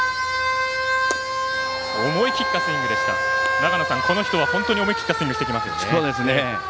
長野さん、この人は本当に思い切ったスイングしてきますね。